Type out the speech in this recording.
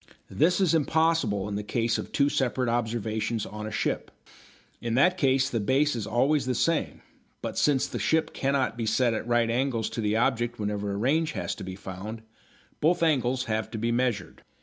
This is impossible in the case of two separate observations on a ship. In that case the base is always the same, but since the ship cannot be set at right angles to the object whenever a range has to be found, both angles have to be measured.